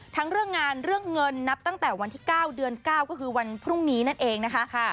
เรื่องงานเรื่องเงินนับตั้งแต่วันที่๙เดือน๙ก็คือวันพรุ่งนี้นั่นเองนะคะ